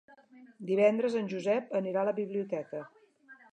Divendres en Josep anirà a la biblioteca.